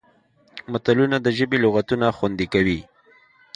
متلونه د ژبې لغتونه خوندي کوي